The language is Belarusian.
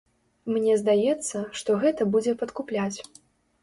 Мне здаецца, што гэта будзе падкупляць.